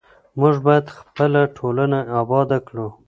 موږ باید خپله ټولنه اباده کړو.